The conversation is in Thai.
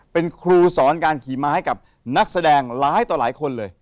เป็นครูสอนการขี่ม้าให้กับนักแสดงหลายต่อหลายคนเลย